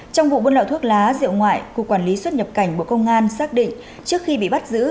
trong vụ buôn lậu thuốc lá rượu ngoại cục quản lý xuất nhập cảnh bộ công an xác định trước khi bị bắt giữ